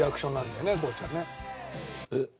えっ。